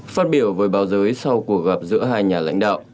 phát biểu với báo giới sau cuộc gặp giữa hai nhà lãnh đạo